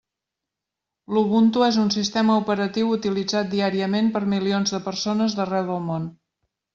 L'Ubuntu és un sistema operatiu utilitzat diàriament per milions de persones d'arreu del món.